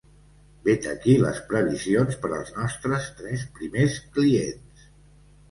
Vet aquí les previsions per als nostres tres primers clients.